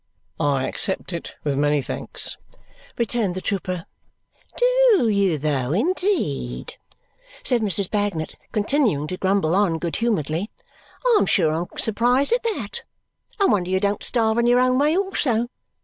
"I accept it with many thanks," returned the trooper. "Do you though, indeed?" said Mrs. Bagnet, continuing to grumble on good humouredly. "I'm sure I'm surprised at that. I wonder you don't starve in your own way also.